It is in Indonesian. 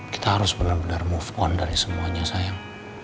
kita harus bener bener move on dari semuanya sayang